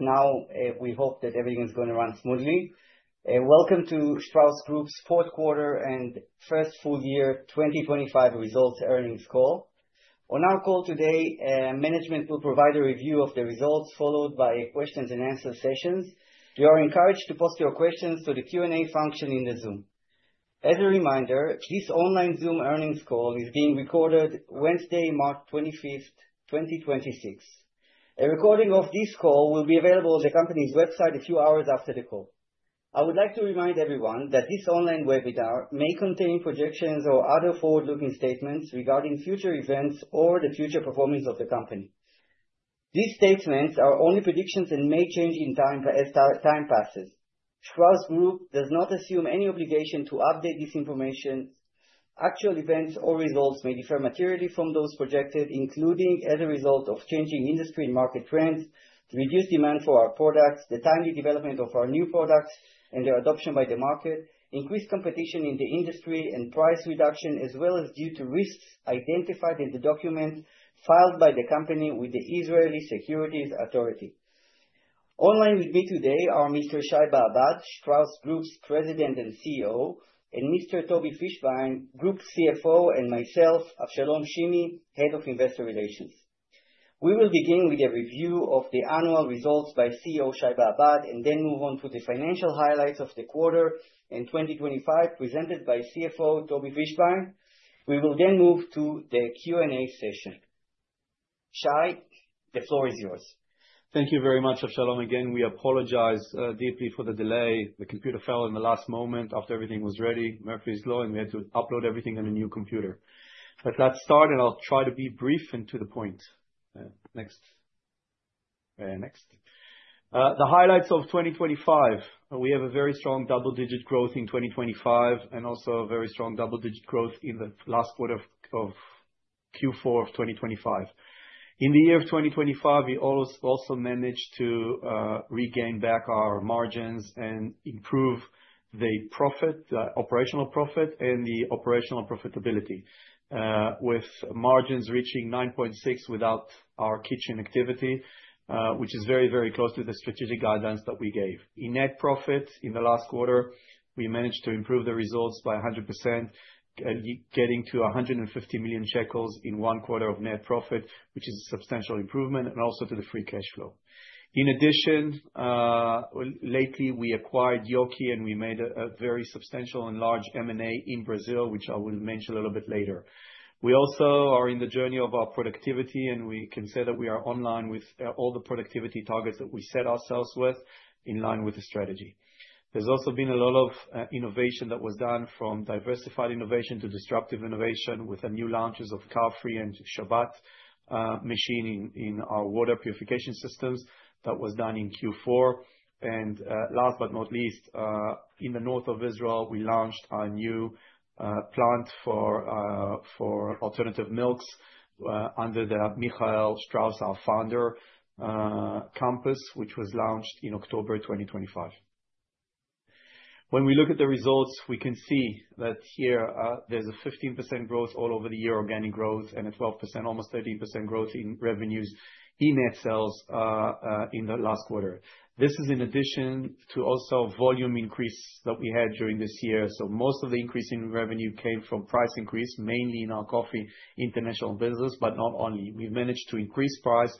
Now we hope that everything's gonna run smoothly. Welcome to Strauss Group's fourth quarter and first full year 2025 results earnings call. On our call today, management will provide a review of the results, followed by a questions and answer sessions. You are encouraged to post your questions through the Q&A function in the Zoom. As a reminder, this online Zoom earnings call is being recorded Wednesday, March 25th, 2026. A recording of this call will be available on the company's website a few hours after the call. I would like to remind everyone that this online webinar may contain projections or other forward-looking statements regarding future events or the future performance of the company. These statements are only predictions and may change in time, as time passes. Strauss Group does not assume any obligation to update this information. Actual events or results may differ materially from those projected, including as a result of changes in industry and market trends, reduced demand for our products, the timely development of our new products and their adoption by the market, increased competition in the industry and price reduction, as well as due to risks identified in the document filed by the company with the Israeli Securities Authority. Online with me today are Mr. Shai Babad, Strauss Group's President and CEO, and Mr. Tobi Fischbein, Group CFO, and myself, Avshalom Shimi, Head of Investor Relations. We will begin with a review of the annual results by CEO Shai Babad, and then move on to the financial highlights of the quarter in 2025, presented by CFO Tobi Fischbein. We will then move to the Q&A session. Shai, the floor is yours. Thank you very much, Avshalom. Again, we apologize deeply for the delay. The computer fell in the last moment after everything was ready. Murphy's Law. We had to upload everything on a new computer. Let's start, and I'll try to be brief and to the point. Next. Next. The highlights of 2025. We have a very strong double-digit growth in 2025, and also a very strong double-digit growth in the last quarter of Q4 of 2025. In the year of 2025, we also managed to regain back our margins and improve the profit, operational profit and the operational profitability, with margins reaching 9.6% without our kitchen activity, which is very close to the strategic guidance that we gave. In net profit in the last quarter, we managed to improve the results by 100%, getting to 150 million shekels in one quarter of net profit, which is a substantial improvement, and also to the free cash flow. In addition, lately we acquired Yoki, and we made a very substantial and large M&A in Brazil, which I will mention a little bit later. We also are in the journey of our productivity, and we can say that we are online with all the productivity targets that we set ourselves with in line with the strategy. There's also been a lot of innovation that was done from diversified innovation to disruptive innovation with the new launches of TAFRI and SHABBAT machine in our water purification systems. That was done in Q4. last but not least, in the north of Israel, we launched our new plant for alternative milks under the Michael Strauss, our founder, campus, which was launched in October 2025. When we look at the results, we can see that here, there's a 15% growth over the year, organic growth, and a 12%, almost 13% growth in revenues in net sales in the last quarter. This is in addition to also volume increase that we had during this year. Most of the increase in revenue came from price increase, mainly in our Coffee International business, but not only. We've managed to increase price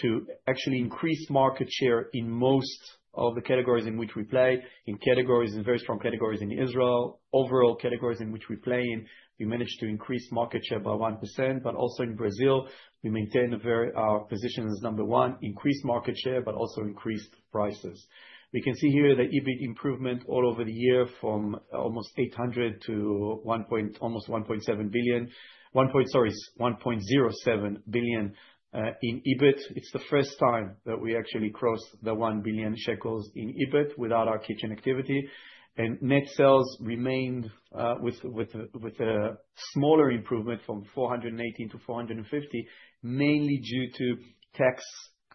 to actually increase market share in most of the categories in which we play. In categories, in very strong categories in Israel, overall categories in which we play in, we managed to increase market share by 1%. Also in Brazil, we maintain our position as number one, increased market share, but also increased prices. We can see here the EBIT improvement all over the year from almost 800 to almost 1.7 billion. Sorry, 1.07 billion in EBIT. It's the first time that we actually crossed 1 billion shekels in EBIT without our kitchen activity. Net sales remained with a smaller improvement from 418 to 450, mainly due to tax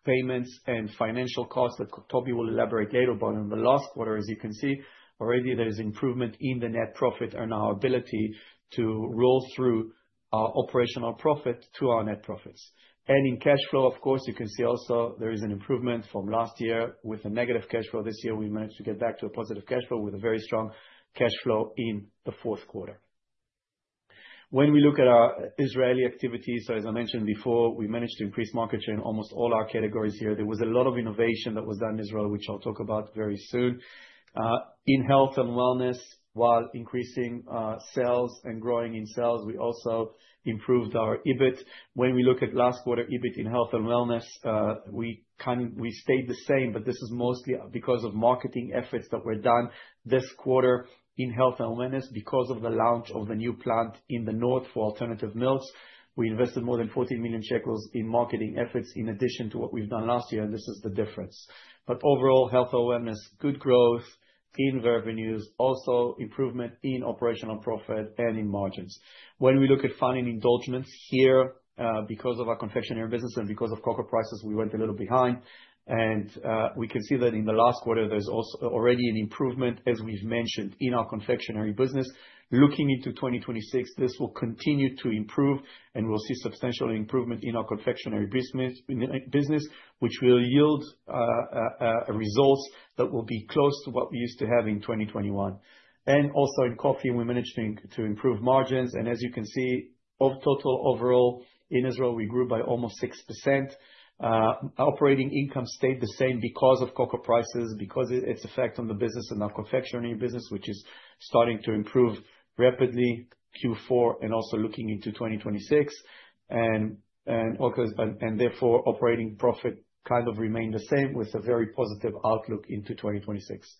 payments and financial costs that Tobi will elaborate later. In the last quarter, as you can see, already there is improvement in the net profit and our ability to roll through our operational profit to our net profits. In cash flow, of course, you can see also there is an improvement from last year with a negative cash flow. This year, we managed to get back to a positive cash flow with a very strong cash flow in the fourth quarter. When we look at our Israeli activities, so as I mentioned before, we managed to increase market share in almost all our categories here. There was a lot of innovation that was done in Israel, which I'll talk about very soon. In Health and Wellness, while increasing, sales and growing in sales, we also improved our EBIT. When we look at last quarter EBIT in Health and Wellness, we kind of stayed the same, but this is mostly because of marketing efforts that were done this quarter in Health and Wellness because of the launch of the new plant in the north for alternative milks. We invested more than 14 million shekels in marketing efforts in addition to what we've done last year, and this is the difference. Overall, Health and Wellness, good growth in revenues, also improvement in operational profit and in margins. When we look at Fun and Indulgences here, because of our Confectionery business and because of cocoa prices, we went a little behind. We can see that in the last quarter, there's already an improvement, as we've mentioned, in our Confectionery business. Looking into 2026, this will continue to improve, and we'll see substantial improvement in our confectionery business, which will yield results that will be close to what we used to have in 2021. Also in coffee, we're managing to improve margins. As you can see, of total overall in Israel, we grew by almost 6%. Operating income stayed the same because of cocoa prices, because its effect on the business and our confectionery business, which is starting to improve rapidly Q4 and also looking into 2026. Of course, therefore, operating profit kind of remained the same with a very positive outlook into 2026.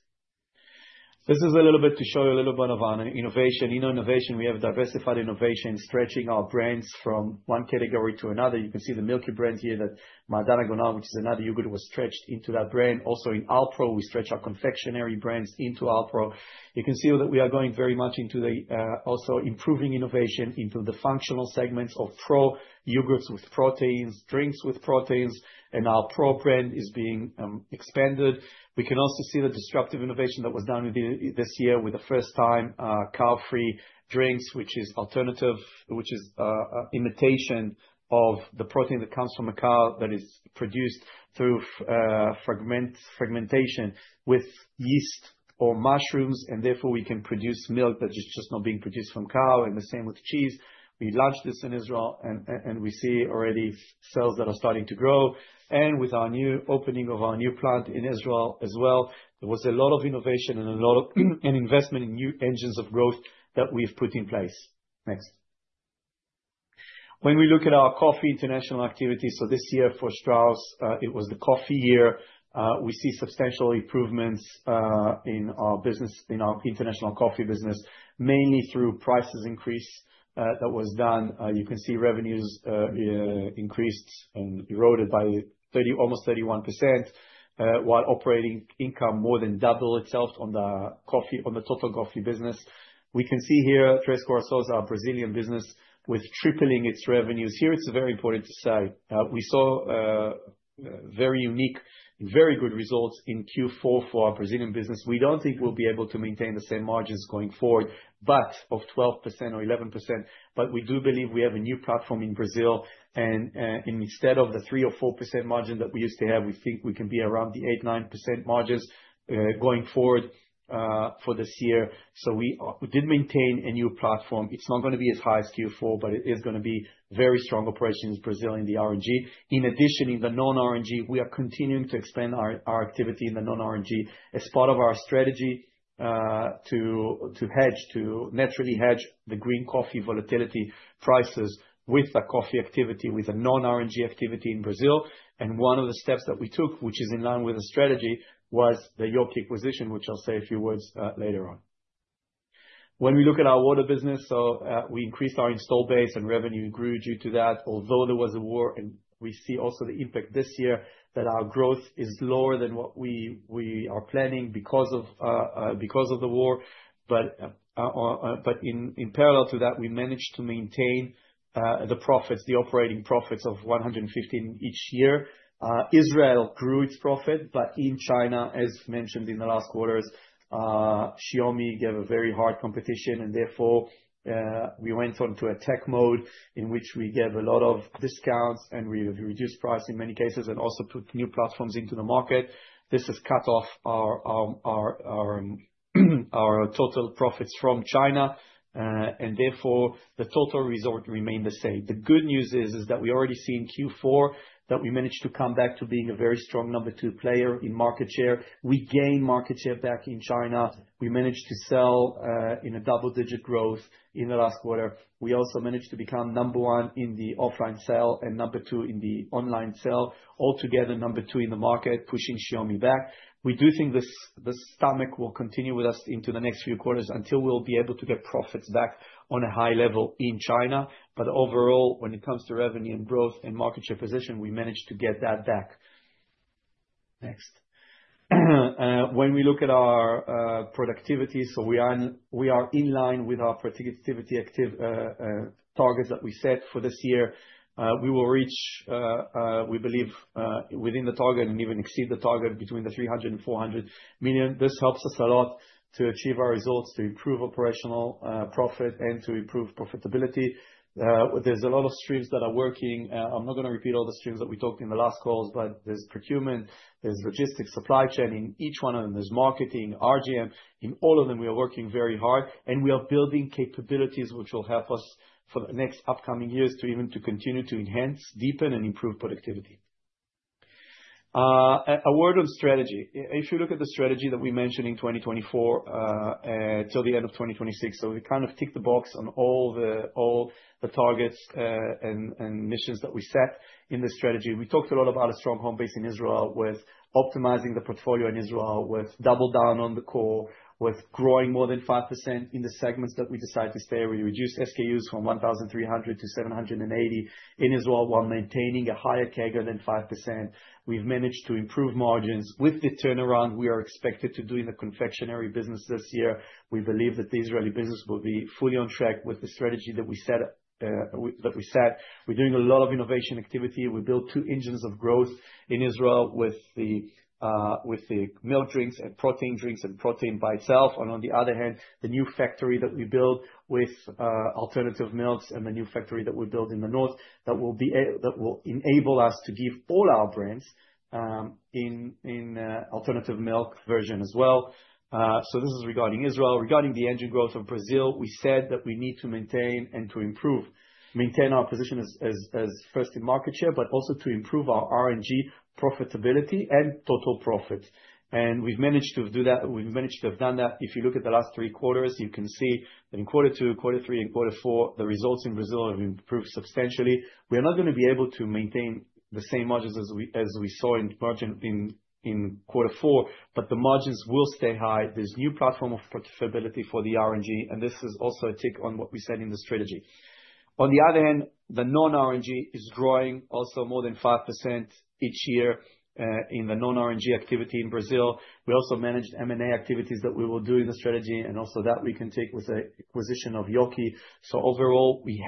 This is a little bit to show you a little bit of our innovation. In our innovation, we have diversified innovation, stretching our brands from one category to another. You can see the Milky brands here, that Madagana, which is another yogurt, was stretched into that brand. Also in Alpro, we stretch our confectionery brands into Alpro. You can see that we are going very much into the also improving innovation into the functional segments of Pro yogurts with proteins, drinks with proteins, and our Pro brand is being expanded. We can also see the disruptive innovation that was done this year with the first time cow-free drinks, which is alternative, which is imitation of the protein that comes from a cow that is produced through fermentation with yeast or mushrooms, and therefore we can produce milk that is just not being produced from cow, and the same with cheese. We launched this in Israel and we see already sales that are starting to grow. With our new opening of our new plant in Israel as well, there was a lot of innovation and a lot of investment in new engines of growth that we've put in place. Next. When we look at our Coffee International activity, this year for Strauss, it was the coffee year. We see substantial improvements in our business, in our International Coffee business, mainly through price increases that was done. You can see revenues increased year-over-year by almost 31%, while operating income more than doubled on the total coffee business. We can see here, Três Corações, our Brazilian business, with its revenues tripling. Here it's very important to say, we saw very unique, very good results in Q4 for our Brazilian business. We don't think we'll be able to maintain the same margins going forward, but above 12% or 11%. We do believe we have a new platform in Brazil, and instead of the 3% or 4% margin that we used to have, we think we can be around the 8%-9% margins going forward for this year. We did maintain a new platform. It's not gonna be as high as Q4, but it is gonna be very strong operations, Brazil in the R&G. In addition, in the non-R&G, we are continuing to expand our activity in the non-R&G as part of our strategy to naturally hedge the green coffee volatility prices with the coffee activity, with the non-R&G activity in Brazil. One of the steps that we took, which is in line with the strategy, was the Yoki acquisition, which I'll say a few words later on. When we look at our water business, we increased our install base and revenue grew due to that. Although there was a war, and we see also the impact this year, that our growth is lower than what we are planning because of the war. In parallel to that, we managed to maintain the profits, the operating profits of 115million each year. Israel grew its profit, but in China, as mentioned in the last quarters, Xiaomi gave a very hard competition and therefore, we went on to attack mode, in which we gave a lot of discounts and we reduced price in many cases and also put new platforms into the market. This has cut off our total profits from China, and therefore the total result remained the same. The good news is that we already see in Q4 that we managed to come back to being a very strong number two player in market share. We gained market share back in China. We managed to sell in a double-digit growth in the last quarter. We also managed to become number one in the offline sale and number two in the online sale. Altogether, number two in the market, pushing Xiaomi back. We do think this storm will continue with us into the next few quarters until we'll be able to get profits back on a high level in China. Overall, when it comes to revenue and growth and market share position, we managed to get that back. Next. When we look at our productivity, we are in line with our productivity targets that we set for this year. We will reach, we believe, within the target and even exceed the target between 300 million and 400 million. This helps us a lot to achieve our results, to improve operational profit, and to improve profitability. There's a lot of streams that are working. I'm not gonna repeat all the streams that we talked in the last calls, but there's procurement, there's logistics, supply chain. In each one of them, there's marketing, RGM. In all of them, we are working very hard, and we are building capabilities which will help us for the next upcoming years to even continue to enhance, deepen, and improve productivity. A word on strategy. If you look at the strategy that we mentioned in 2024, till the end of 2026, so we kind of ticked the box on all the targets and missions that we set in the strategy. We talked a lot about a strong home base in Israel with optimizing the portfolio in Israel, with double down on the core, with growing more than 5% in the segments that we decided to stay. We reduced SKUs from 1,300 to 780 in Israel while maintaining a higher CAGR than 5%. We've managed to improve margins. With the turnaround we are expected to do in the confectionery business this year, we believe that the Israeli business will be fully on track with the strategy that we set. We're doing a lot of innovation activity. We built two engines of growth in Israel with the milk drinks and protein drinks and protein by itself. On the other hand, the new factory that we built with alternative milks and the new factory that we built in the north, that will enable us to give all our brands in alternative milk version as well. This is regarding Israel. Regarding the engine growth of Brazil, we said that we need to maintain and to improve our position as first in market share, but also to improve our R&G profitability and total profit. We've managed to do that. If you look at the last three quarters, you can see that in quarter two, quarter three and quarter four, the results in Brazil have improved substantially. We are not gonna be able to maintain the same margins as we saw in margin in quarter four, but the margins will stay high. There's new platform of profitability for the R&G, and this is also a tick on what we said in the strategy. On the other hand, the non-R&G is growing also more than 5% each year in the non-R&G activity in Brazil. We also managed M&A activities that we will do in the strategy and also that we can take with the acquisition of Yoki. Overall, we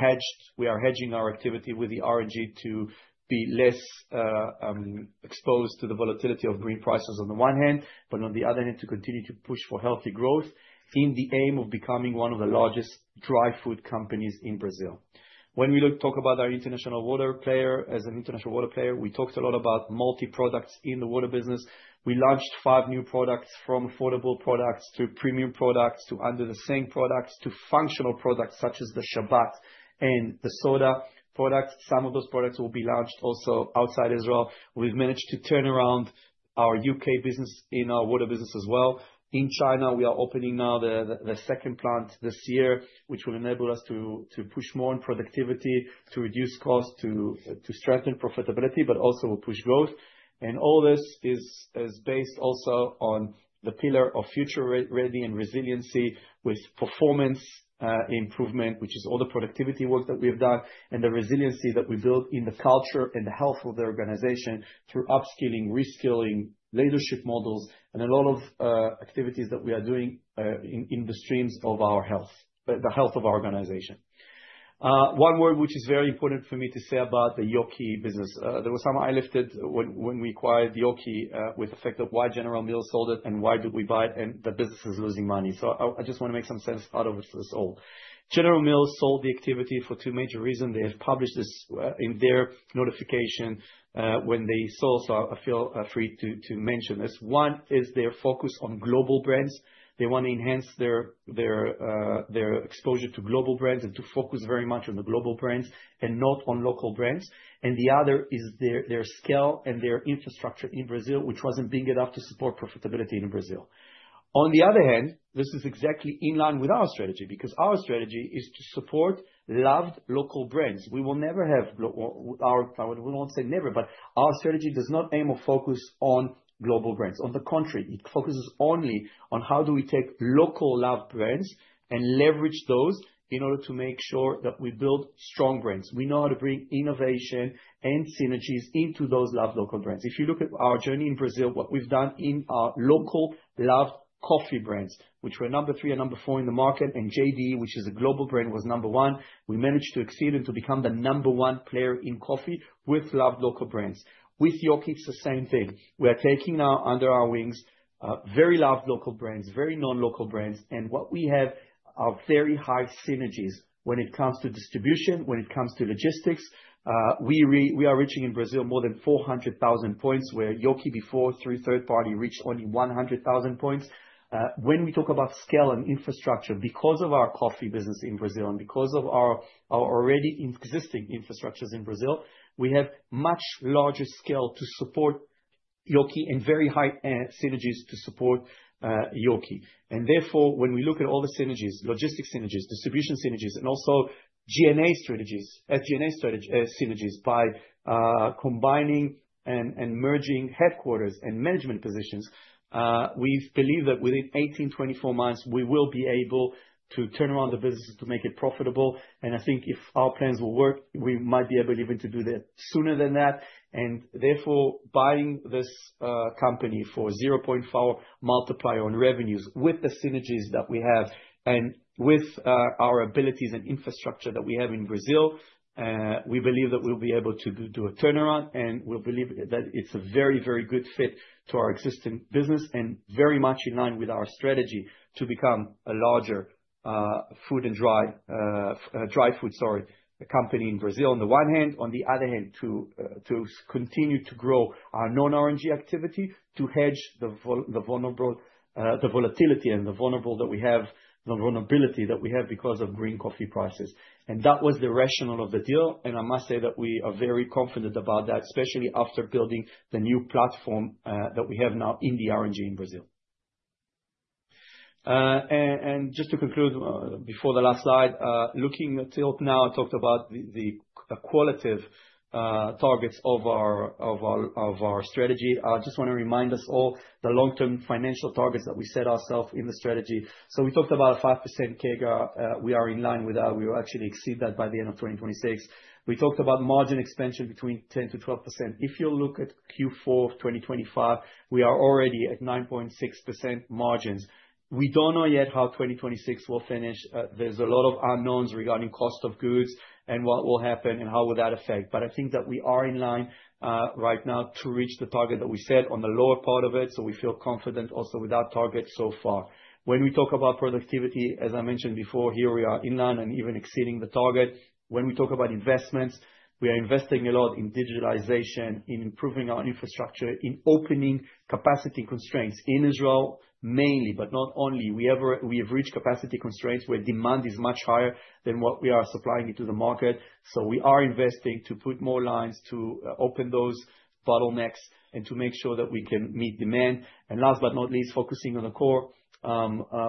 are hedging our activity with the R&G to be less exposed to the volatility of green prices on the one hand, but on the other hand, to continue to push for healthy growth in the aim of becoming one of the largest dry food companies in Brazil. When we talk about our international water player, as an international water player, we talked a lot about multi-products in the water business. We launched five new products, from affordable products to premium products to under-sink products to functional products such as the SHABBAT and the soda products. Some of those products will be launched also outside Israel. We've managed to turn around our U.K. business in our water business as well. In China, we are opening now the second plant this year, which will enable us to push more on productivity, to reduce costs, to strengthen profitability, but also will push growth. All this is based also on the pillar of future-ready and resiliency with performance improvement, which is all the productivity work that we have done, and the resiliency that we built in the culture and the health of the organization through upskilling, reskilling leadership models and a lot of activities that we are doing in the streams of the health of our organization. One word which is very important for me to say about the Yoki business. There was some eyebrows lifted when we acquired Yoki, with questions of why General Mills sold it and why did we buy it, and the business is losing money. I just want to make some sense out of this all. General Mills sold the activity for two major reasons. They have published this in their notification when they sold, so I feel free to mention this. One is their focus on global brands. They want to enhance their exposure to global brands and to focus very much on the global brands and not on local brands. The other is their scale and their infrastructure in Brazil, which wasn't big enough to support profitability in Brazil. On the other hand, this is exactly in line with our strategy, because our strategy is to support loved local brands. We won't say never, but our strategy does not aim or focus on global brands. On the contrary, it focuses only on how do we take local loved brands and leverage those in order to make sure that we build strong brands. We know how to bring innovation and synergies into those loved local brands. If you look at our journey in Brazil, what we've done in our local loved coffee brands, which were number three and number four in the market, and JDE Peet's, which is a global brand, was number one. We managed to exceed and to become the number one player in coffee with loved local brands. With Yoki, it's the same thing. We are taking now under our wings very loved local brands, very known local brands, and what we have are very high synergies when it comes to distribution, when it comes to logistics. We are reaching in Brazil more than 400,000 points, where Yoki before, through third party, reached only 100,000 points. When we talk about scale and infrastructure, because of our coffee business in Brazil and because of our already existing infrastructures in Brazil, we have much larger scale to support Yoki and very high synergies to support Yoki. Therefore, when we look at all the synergies, logistic synergies, distribution synergies, and also G&A synergies by combining and merging headquarters and management positions, we believe that within 18-24 months, we will be able to turn around the business to make it profitable. I think if our plans will work, we might be able even to do that sooner than that. Buying this company for 0.4x on revenues with the synergies that we have and with our abilities and infrastructure that we have in Brazil, we believe that we'll be able to do a turnaround, and we believe that it's a very good fit to our existing business and very much in line with our strategy to become a larger food and dry food company in Brazil on the one hand. On the other hand, to continue to grow our non-R&G activity, to hedge the volatility and the vulnerability that we have because of green coffee prices. That was the rationale of the deal, and I must say that we are very confident about that, especially after building the new platform that we have now in the R&G in Brazil. And just to conclude before the last slide, looking till now, I talked about the qualitative targets of our strategy. I just wanna remind us all the long-term financial targets that we set ourself in the strategy. We talked about a 5% CAGR. We are in line with that. We will actually exceed that by the end of 2026. We talked about margin expansion between 10%-12%. If you look at Q4 of 2025, we are already at 9.6% margins. We don't know yet how 2026 will finish. There's a lot of unknowns regarding cost of goods and what will happen and how will that affect. I think that we are in line right now to reach the target that we set on the lower part of it, so we feel confident also with our target so far. When we talk about productivity, as I mentioned before, here we are in line and even exceeding the target. When we talk about investments, we are investing a lot in digitalization, in improving our infrastructure, in opening capacity constraints in Israel mainly, but not only. We have reached capacity constraints where demand is much higher than what we are supplying into the market. So we are investing to put more lines to open those bottlenecks and to make sure that we can meet demand. Last but not least, focusing on the core.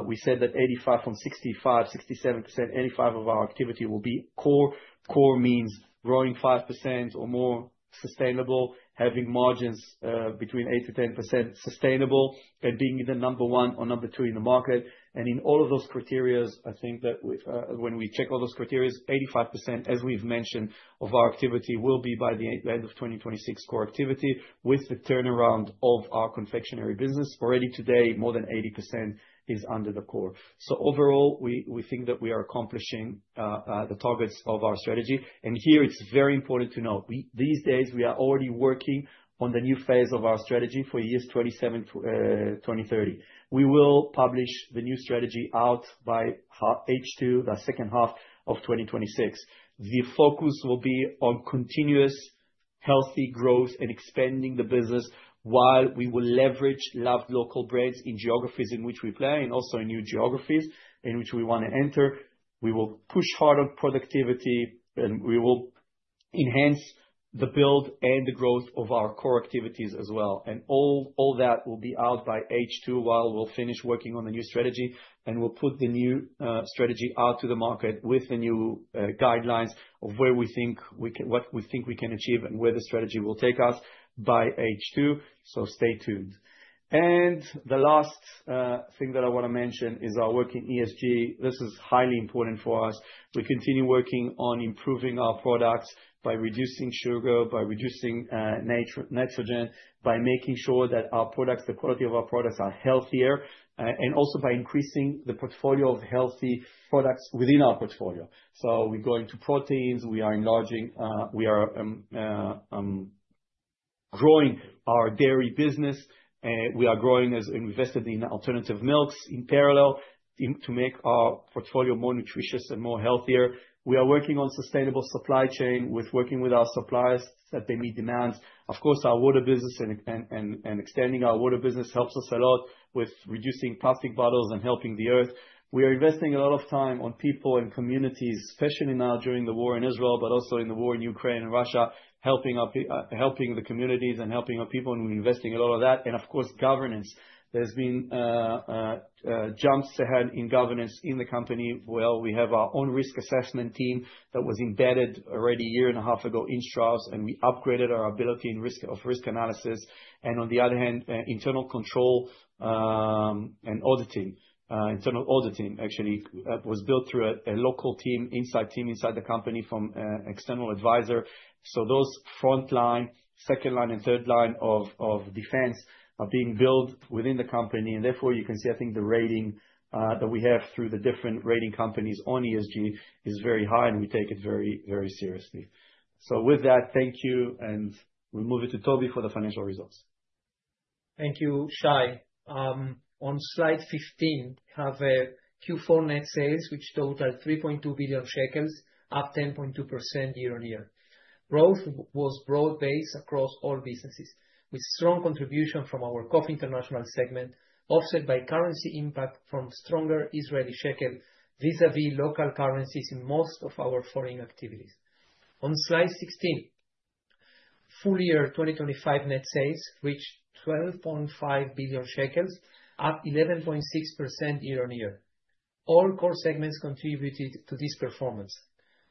We said that 85% from 65%, 67%, 85% of our activity will be core. Core means growing 5% or more sustainable, having margins between 8%-10% sustainable and being either number one or number two in the market. In all of those criteria, I think that we've when we check all those criteria, 85%, as we've mentioned, of our activity will be by the end of 2026 core activity, with the turnaround of our confectionery business. Already today, more than 80% is under the core. Overall, we think that we are accomplishing the targets of our strategy. Here it's very important to note, these days we are already working on the new phase of our strategy for years 2027 to 2030. We will publish the new strategy out by H2, the second half of 2026. The focus will be on continuous healthy growth and expanding the business while we will leverage loved local brands in geographies in which we play, and also in new geographies in which we wanna enter. We will push hard on productivity, and we will enhance the build and the growth of our core activities as well. All that will be out by H2, while we'll finish working on the new strategy, and we'll put the new strategy out to the market with the new guidelines of what we think we can achieve and where the strategy will take us by H2. Stay tuned. The last thing that I wanna mention is our work in ESG. This is highly important for us. We continue working on improving our products by reducing sugar, by reducing nitrogen, by making sure that our products, the quality of our products are healthier, and also by increasing the portfolio of healthy products within our portfolio. We're going to proteins, we are enlarging, we are growing our dairy business. We are growing and investing in alternative milks in parallel to make our portfolio more nutritious and more healthier. We are working on sustainable supply chain with our suppliers that they meet demands. Of course, our water business and extending our water business helps us a lot with reducing plastic bottles and helping the Earth. We are investing a lot of time on people and communities, especially now during the war in Israel, but also in the war in Ukraine and Russia, helping the communities and helping our people, and we're investing a lot of that. Of course, governance. There's been jumps ahead in governance in the company, where we have our own risk assessment team that was embedded already a year and a half ago in Strauss, and we upgraded our ability of risk analysis. On the other hand, internal control and audit team, internal audit team, actually, was built through a local team, inside team, inside the company from external advisor. Those first line, second line, and third line of defense are being built within the company, and therefore, you can see, I think, the rating that we have through the different rating companies on ESG is very high, and we take it very, very seriously. With that, thank you, and we'll move it to Tobi for the financial results. Thank you, Shai. On slide 15, we have Q4 net sales, which totaled 3.2 billion shekels, up 10.2% year-on-year. Growth was broad-based across all businesses, with strong contribution from our Coffee International segment, offset by currency impact from stronger Israeli shekel vis-à-vis local currencies in most of our foreign activities. On slide 16, full year 2025 net sales reached 12.5 billion shekels, up 11.6% year-on-year. All core segments contributed to this performance.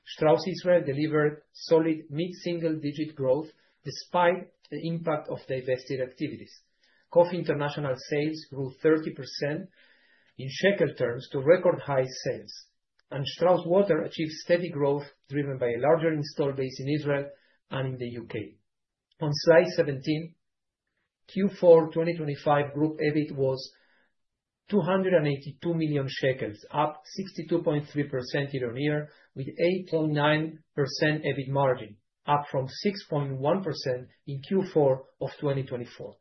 Strauss Israel delivered solid mid-single digit growth despite the impact of divested activities. Coffee International sales grew 30% in shekel terms to record high sales. Strauss Water achieved steady growth, driven by a larger install base in Israel and in the U.K. On slide 17, Q4 2025 group EBIT was 282 million shekels, up 62.3% year-on-year, with 8.9% EBIT margin, up from 6.1% in Q4 of 2024.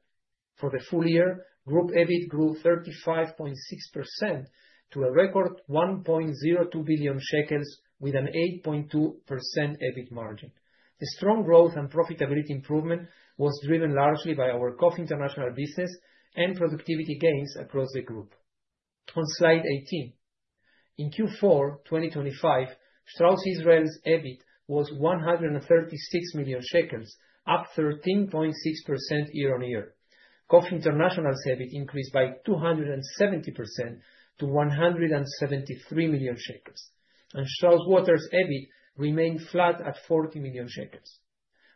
For the full year, group EBIT grew 35.6% to a record 1.02 billion shekels with an 8.2% EBIT margin. The strong growth and profitability improvement was driven largely by our Coffee International business and productivity gains across the group. On slide 18, in Q4 2025, Strauss Israel's EBIT was 136 million shekels, up 13.6% year-on-year. Coffee International's EBIT increased by 270% to 173 million shekels. Strauss Water's EBIT remained flat at 40 million shekels.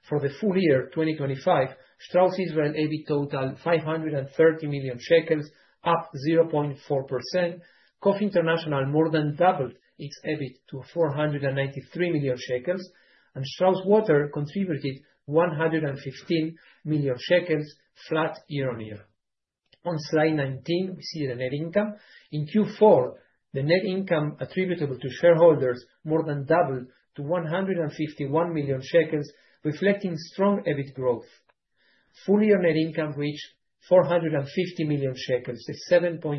For the full year 2025, Strauss Israel EBIT totaled 530 million shekels, up 0.4%. Coffee International more than doubled its EBIT to 493 million shekels, and Strauss Water contributed 115 million shekels flat year-on-year. On slide 19, we see the net income. In Q4, the net income attributable to shareholders more than doubled to 151 million shekels, reflecting strong EBIT growth. Full year net income reached 450 million shekels, a 7.6%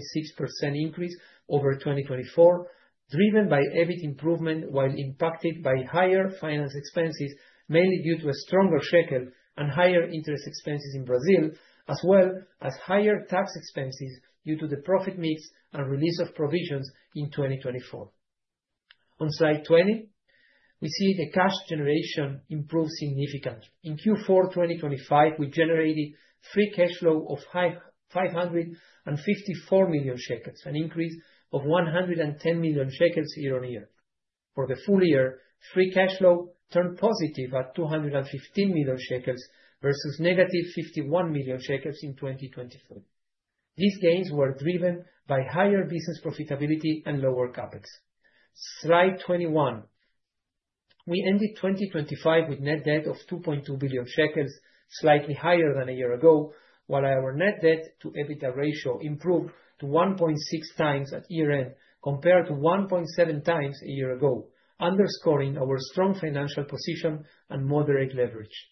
increase over 2024, driven by EBIT improvement while impacted by higher finance expenses, mainly due to a stronger shekel and higher interest expenses in Brazil, as well as higher tax expenses due to the profit mix and release of provisions in 2024. On slide 20, we see the cash generation improved significantly. In Q4 2025, we generated free cash flow of 5,554 million shekels, an increase of 110 million shekels year-on-year. For the full year, free cash flow turned positive at 215 million shekels versus -51 million shekels in 2024. These gains were driven by higher business profitability and lower CapEx. Slide 21. We ended 2025 with net debt of 2.2 billion shekels, slightly higher than a year ago, while our net debt to EBITDA ratio improved to 1.6x at year-end, compared to 1.7x a year ago, underscoring our strong financial position and moderate leverage.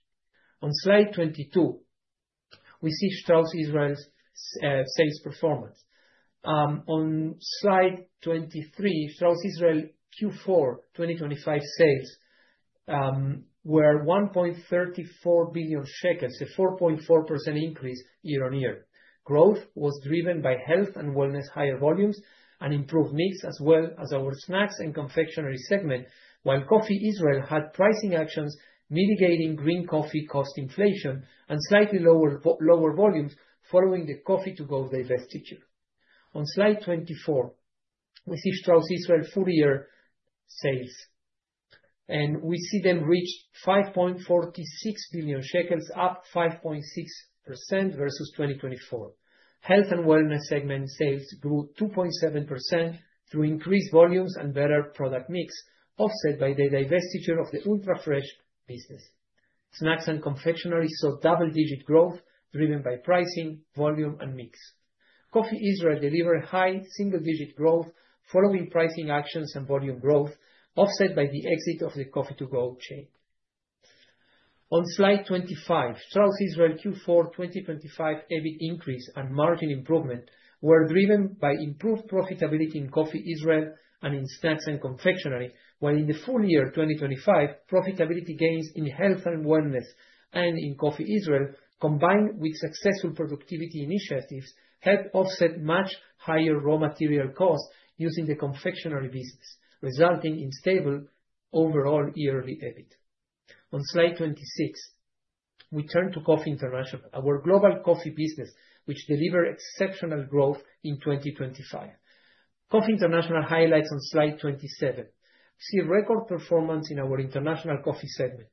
On slide 22, we see Strauss Israel's sales performance. On slide 23, Strauss Israel Q4 2025 sales were 1.34 billion shekels, a 4.4% increase year-on-year. Growth was driven by Health and Wellness, higher volumes and improved mix, as well as our Snacks and Confectionery segment, while Coffee Israel had pricing actions mitigating green coffee cost inflation and slightly lower volumes following the coffee to-go divestiture. On slide 24, we see Strauss Israel full year sales, and we see them reach 5.46 billion shekels, up 5.6% versus 2024. Health and Wellness segment sales grew 2.7% through increased volumes and better product mix, offset by the divestiture of the ultra-fresh business. Snacks and Confectionery saw double-digit growth driven by pricing, volume and mix. Coffee Israel delivered high single-digit growth following pricing actions and volume growth, offset by the exit of the coffee to-go chain. On slide 25, Strauss Israel Q4 2025 EBIT increase and margin improvement were driven by improved profitability in Coffee Israel and in snacks and confectionery, while in the full year 2025, profitability gains in Health and Wellness and in Coffee Israel, combined with successful productivity initiatives, helped offset much higher raw material costs using the confectionery business, resulting in stable overall yearly EBIT. On slide 26, we turn to Coffee International, our global coffee business, which delivered exceptional growth in 2025. Coffee International highlights on slide 27. See record performance in our International Coffee segment.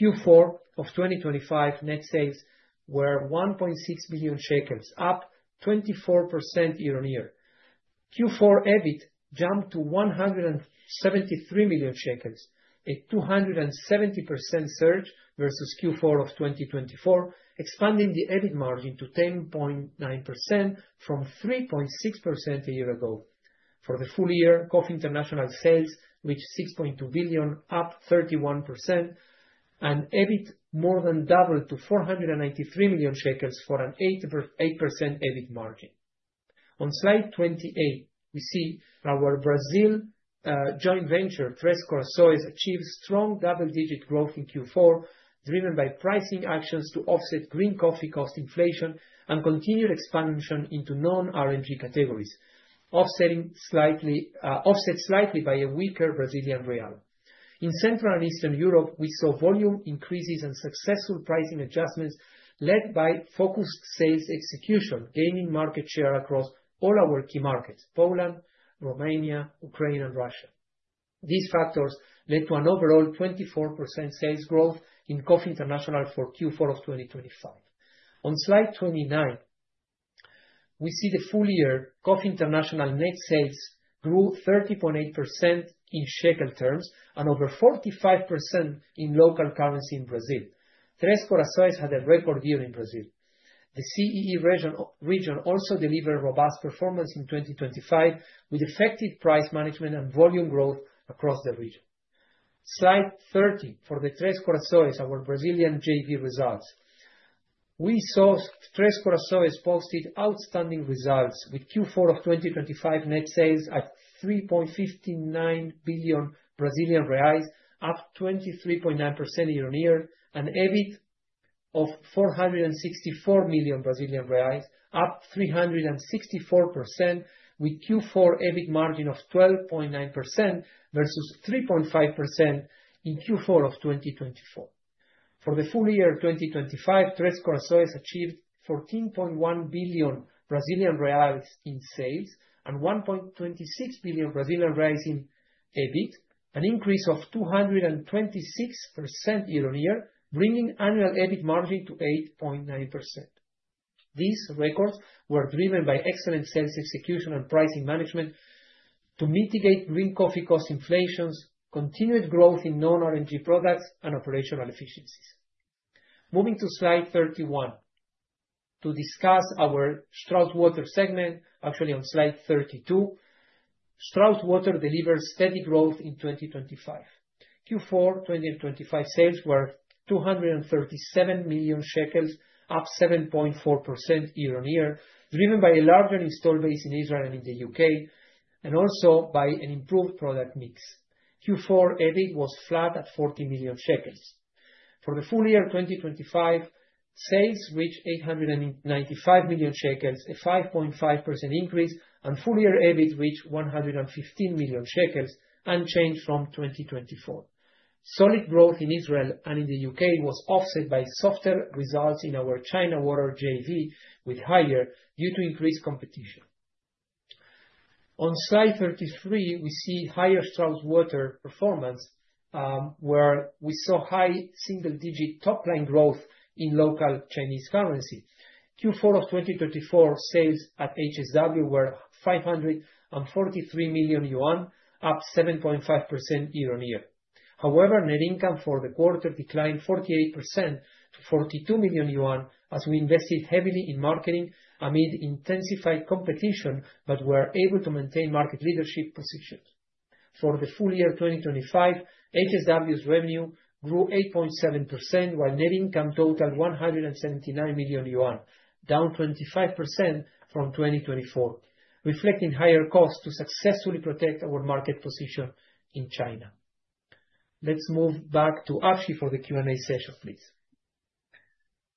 Q4 of 2025 net sales were 1.6 billion shekels, up 24% year-on-year. Q4 EBIT jumped to 173 million shekels, a 270% surge versus Q4 of 2024, expanding the EBIT margin to 10.9% from 3.6% a year ago. For the full year, Coffee International sales reached 6.2 billion, up 31%, and EBIT more than doubled to 493 million shekels for an 8% EBIT margin. On slide 28, we see our Brazil joint venture, Três Corações, achieved strong double-digit growth in Q4, driven by pricing actions to offset green coffee cost inflation and continued expansion into non-R&G categories, offsetting slightly by a weaker Brazilian real. In Central and Eastern Europe, we saw volume increases and successful pricing adjustments led by focused sales execution, gaining market share across all our key markets, Poland, Romania, Ukraine and Russia. These factors led to an overall 24% sales growth in Coffee International for Q4 of 2025. On slide 29, we see the full year Coffee International net sales grew 30.8% in shekel terms and over 45% in local currency in Brazil. Três Corações had a record year in Brazil. The CEE region also delivered robust performance in 2025 with effective price management and volume growth across the region. Slide 30 for the Três Corações, our Brazilian JV results. We saw Três Corações posted outstanding results with Q4 of 2025 net sales at 3.59 billion Brazilian reais, up 23.9% year-on-year, an EBIT of 464 million Brazilian reais, up 364% with Q4 EBIT margin of 12.9% versus 3.5% in Q4 of 2024. For the full year 2025, Três Corações achieved 14.1 billion Brazilian reais in sales and 1.26 billion Brazilian reais in EBIT, an increase of 226% year-on-year, bringing annual EBIT margin to 8.9%. These records were driven by excellent sales execution and pricing management to mitigate green coffee cost inflation, continued growth in non-R&G products and operational efficiencies. Moving to slide 31 to discuss our Strauss Water segment. Actually on slide 32. Strauss Water delivered steady growth in 2025. Q4 2025 sales were 237 million shekels, up 7.4% year-on-year, driven by a larger installed base in Israel and in the U.K., and also by an improved product mix. Q4 EBIT was flat at 40 million shekels. For the full year 2025, sales reached 895 million shekels, a 5.5% increase, and full year EBIT reached 115 million shekels, unchanged from 2024. Solid growth in Israel and in the U.K. was offset by softer results in our China Water JV with Haier due to increased competition. On slide 33, we see Haier Strauss Water performance, where we saw high single-digit top-line growth in local Chinese currency. Q4 of 2024 sales at HSW were 543 million yuan, up 7.5% year-on-year. However, net income for the quarter declined 48% to 42 million yuan as we invested heavily in marketing amid intensified competition, but were able to maintain market leadership positions. For the full year 2025, HSW's revenue grew 8.7%, while net income totaled 179 million yuan, down 25% from 2024, reflecting higher costs to successfully protect our market position in China. Let's move back to Ashi for the Q&A session, please.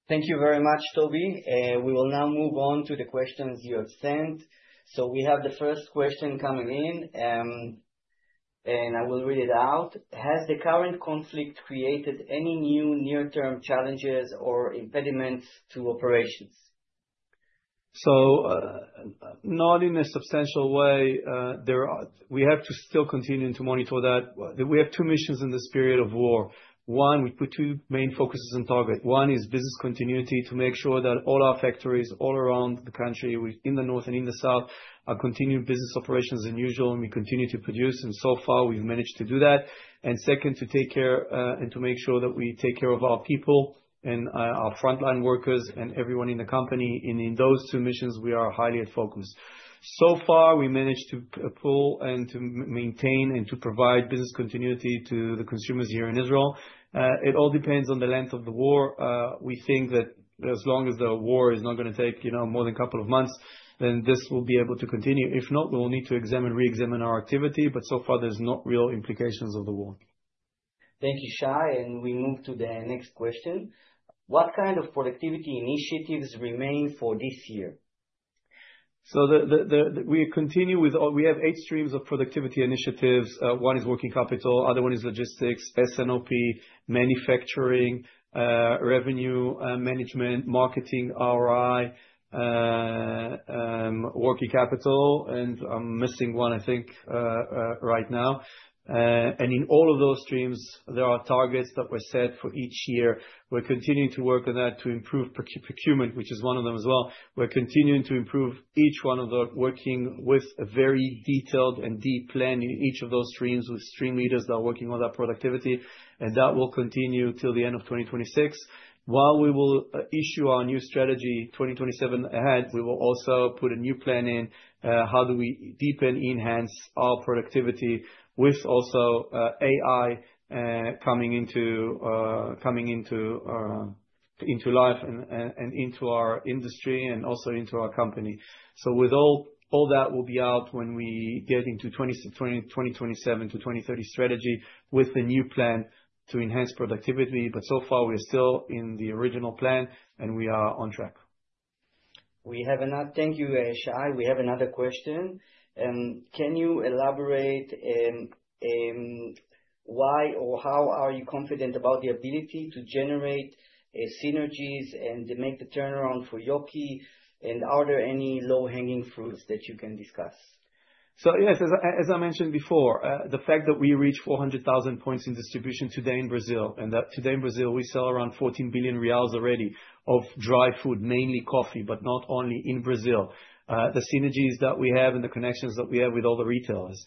Thank you very much, Tobi We will now move on to the questions you have sent. We have the first question coming in, and I will read it out. Has the current conflict created any new near-term challenges or impediments to operations? Not in a substantial way. We have to still continue to monitor that. We have two missions in this period of war. One, we put two main focuses on target. One is business continuity, to make sure that all our factories all around the country, in the north and in the south, are continuing business operations as usual, and we continue to produce. So far, we've managed to do that. Second, to make sure that we take care of our people and our frontline workers and everyone in the company. In those two missions, we are highly focused. So far, we managed to pull and to maintain and to provide business continuity to the consumers here in Israel. It all depends on the length of the war. We think that as long as the war is not gonna take, you know, more than a couple of months, then this will be able to continue. If not, we will need to examine, reexamine our activity, but so far there's no real implications of the war. Thank you, Shai, and we move to the next question. What kind of productivity initiatives remain for this year? We continue with all. We have eight streams of productivity initiatives. One is working capital, other one is logistics, S&OP, manufacturing, revenue management, marketing, R&I, working capital, and I'm missing one, I think, right now. In all of those streams, there are targets that were set for each year. We're continuing to work on that to improve procurement, which is one of them as well. We're continuing to improve each one of the working with a very detailed and deep plan in each of those streams with stream leaders that are working on that productivity. That will continue till the end of 2026. While we will issue our new strategy, 2027 ahead, we will also put a new plan in, how do we deepen, enhance our productivity with also, AI, coming into life and into our industry and also into our company. With all that will be out when we get into 2027 to 2030 strategy with a new plan to enhance productivity. So far we're still in the original plan, and we are on track. Thank you, Shai. We have another question. Can you elaborate why or how are you confident about the ability to generate synergies and make the turnaround for Yoki? And are there any low-hanging fruits that you can discuss? As I mentioned before, the fact that we reach 400,000 points in distribution today in Brazil, and that today in Brazil, we sell around 14 billion reais already of dry food, mainly coffee, but not only in Brazil. The synergies that we have and the connections that we have with all the retailers.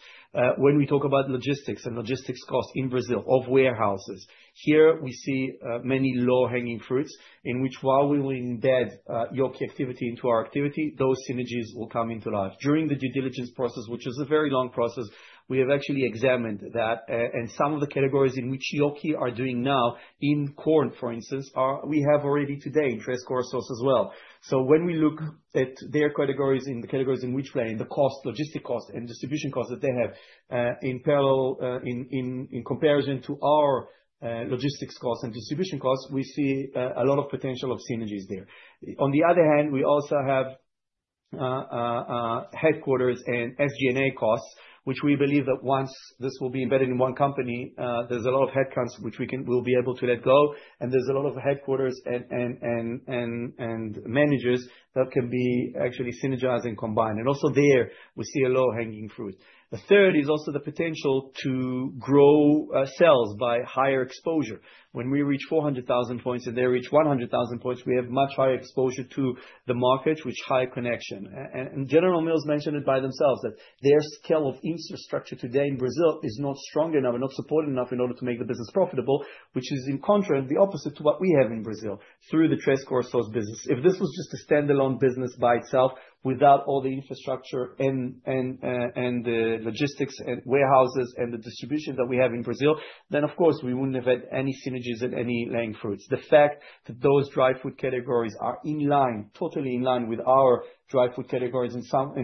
When we talk about logistics and logistics costs in Brazil of warehouses, here we see many low-hanging fruits, in which while we will embed Yoki activity into our activity, those synergies will come into life. During the due diligence process, which is a very long process, we have actually examined that, and some of the categories in which Yoki are doing now in corn, for instance, are we have already today in Três Corações as well. When we look at their categories and the categories in which way, and the costs, logistics costs and distribution costs that they have, in parallel, in comparison to our logistics costs and distribution costs, we see a lot of potential of synergies there. On the other hand, we also have headquarters and SG&A costs, which we believe that once this will be embedded in one company, there's a lot of headcounts which we'll be able to let go. There's a lot of headquarters and managers that can be actually synergized and combined. Also there, we see a low-hanging fruit. The third is also the potential to grow sales by higher exposure. When we reach 400,000 points and they reach 100,000 points, we have much higher exposure to the market with high connection. General Mills mentioned it by themselves, that their scale of infrastructure today in Brazil is not strong enough and not supported enough in order to make the business profitable, which is in contrast the opposite to what we have in Brazil through the Três Corações business. If this was just a standalone business by itself, without all the infrastructure and the logistics and warehouses and the distribution that we have in Brazil, then of course, we wouldn't have had any synergies and any low-hanging fruits. The fact that those dry food categories are in line, totally in line with our dry food categories, in some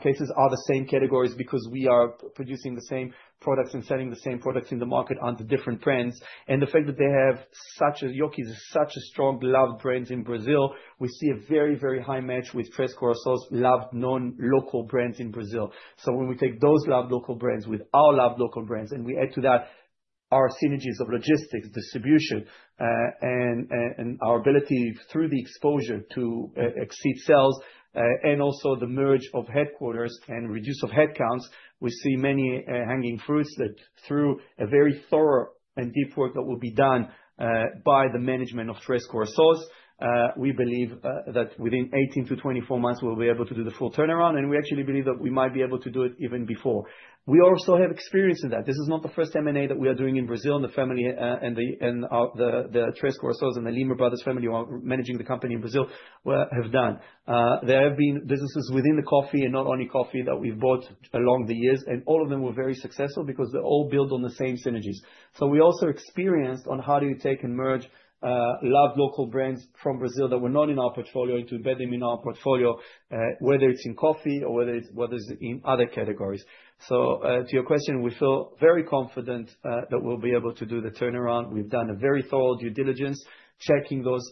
cases are the same categories because we are producing the same products and selling the same products in the market under different brands. The fact that they have such a Yoki is such a strong loved brands in Brazil, we see a very, very high match with Três Corações loved known local brands in Brazil. When we take those loved local brands with our loved local brands, and we add to that our synergies of logistics, distribution, and our ability through the exposure to increased sales, and also the merger of headquarters and reduction of headcounts. We see many hanging fruits that through a very thorough and deep work that will be done by the management of Três Corações. We believe that within 18-24 months, we'll be able to do the full turnaround, and we actually believe that we might be able to do it even before. We also have experience in that. This is not the first M&A that we are doing in Brazil, and the Três Corações and the Lima family who are managing the company in Brazil have done. There have been businesses within the coffee and not only coffee that we've bought along the years, and all of them were very successful because they all build on the same synergies. We also experienced how do you take and merge local brands from Brazil that were not in our portfolio to embed them in our portfolio, whether it's in coffee or whether it's in other categories. To your question, we feel very confident that we'll be able to do the turnaround. We've done a very thorough due diligence, checking those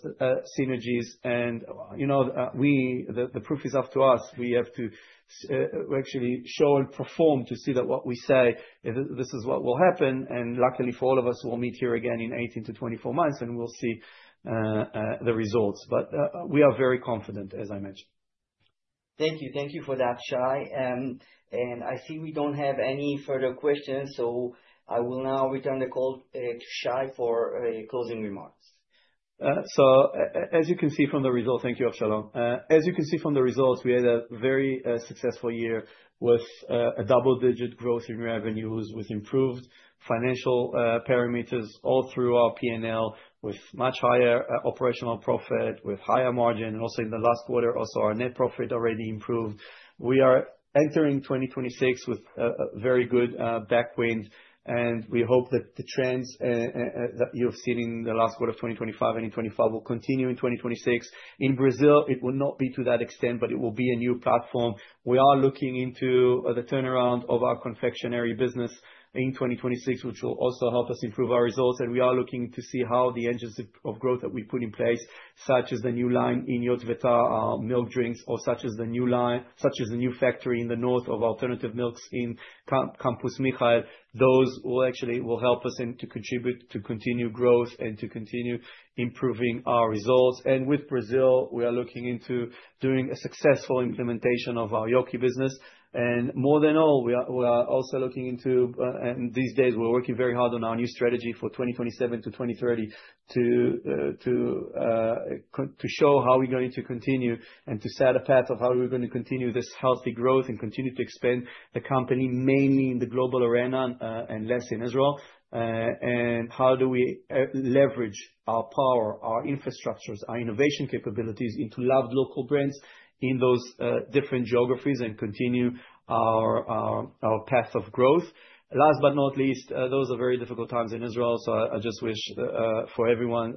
synergies. You know, the proof is up to us. We have to actually show and perform to see that what we say, this is what will happen. Luckily for all of us, we'll meet here again in 18-24 months, and we'll see the results. We are very confident, as I mentioned. Thank you. Thank you for that, Shai. I see we don't have any further questions, so I will now return the call to Shai for closing remarks. Thank you, Avshalom. As you can see from the results, we had a very successful year with a double-digit growth in revenues, with improved financial parameters all through our P&L, with much higher operational profit, with higher margin. Also in the last quarter, our net profit already improved. We are entering 2026 with a very good tailwind, and we hope that the trends that you've seen in the last quarter of 2025 and in 2025 will continue in 2026. In Brazil, it will not be to that extent, but it will be a new platform. We are looking into the turnaround of our confectionery business in 2026, which will also help us improve our results. We are looking to see how the engines of growth that we put in place, such as the new line in Yotvata, milk drinks, or such as the new factory in the north of alternative milks in Campus Michael. Those will actually help us and to contribute to continue growth and to continue improving our results. With Brazil, we are looking into doing a successful implementation of our Yoki business. More than all, we are also looking into, and these days we're working very hard on our new strategy for 2027 to 2030 to show how we're going to continue and to set a path of how we're gonna continue this healthy growth and continue to expand the company, mainly in the global arena, and less in Israel. How do we leverage our power, our infrastructures, our innovation capabilities into loved local brands in those different geographies and continue our path of growth. Last but not least, those are very difficult times in Israel, so I just wish for everyone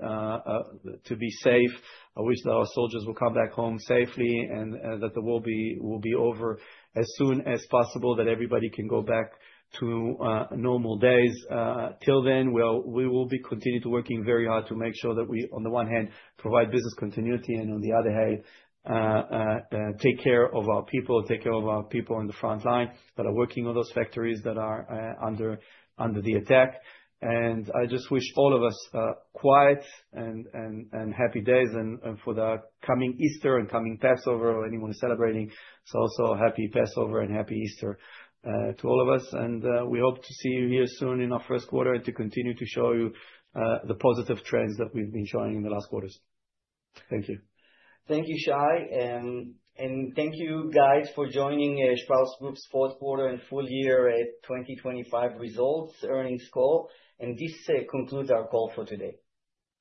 to be safe. I wish that our soldiers will come back home safely and that the war will be over as soon as possible, that everybody can go back to normal days. Till then, we will continue working very hard to make sure that we, on the one hand, provide business continuity, and on the other hand, take care of our people on the front line that are working on those factories that are under the attack. I just wish all of us quiet and happy days and for the coming Easter and coming Passover or anyone celebrating. So happy Passover and Happy Easter to all of us. We hope to see you here soon in our first quarter and to continue to show you the positive trends that we've been showing in the last quarters. Thank you. Thank you, Shai, and thank you, guys, for joining Strauss Group's fourth quarter and full year 2025 results earnings call. This concludes our call for today.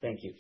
Thank you.